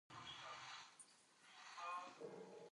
دوی به خپل مړي ښخوي.